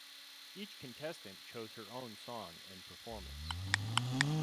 Each contestant chose her own song and performance.